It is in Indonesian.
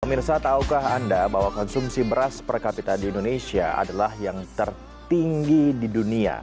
pemirsa taukah anda bahwa konsumsi beras per kapita di indonesia adalah yang tertinggi di dunia